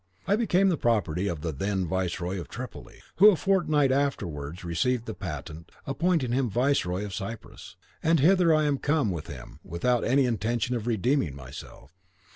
I became the property of the then viceroy of Tripoli, who a fortnight afterwards received the patent appointing him viceroy of Cyprus, and hither I am come with him without any intention of redeeming myself.